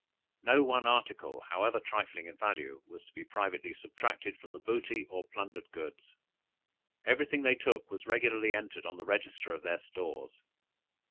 No one article, however trifling in value, was to be privately subtracted from the booty or plundered goods. Every thing they took was regularly entered on the register of their stores.